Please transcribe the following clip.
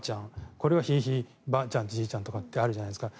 これはひいひいばあちゃんじいちゃんってあるじゃないですか。